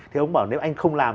thì ông ấy bảo nếu anh không làm